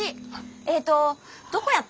えっとどこやった？